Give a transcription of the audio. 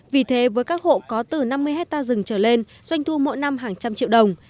vì thế với các hộ có từ năm mươi hectare rừng trở lên doanh thu mỗi năm hàng trăm triệu đồng